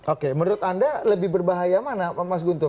oke menurut anda lebih berbahaya mana mas guntur